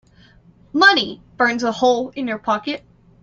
Money burns a hole in your pocket.